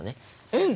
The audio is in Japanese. うん。